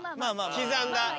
刻んだ。